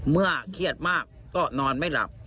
เครียดมากก็นอนไม่หลับ